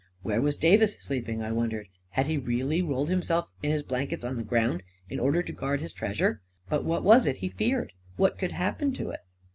Where was Davis sleeping, I wondered? Had he really rolled himself in his blankets on the ground, in order to guard his treasure? But what was it he feared? What could happen to it?